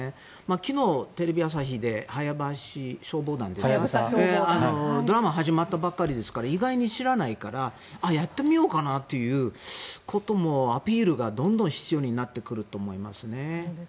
昨日、テレビ朝日で「ハヤブサ消防団」ですかドラマが始まったばかりですから意外に知らないからやってみようかなということもアピールがどんどん必要になってくると思いますね。